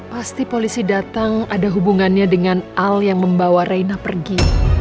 pasti polisi datang ada hubungannya dengan al yang membawa reina pergi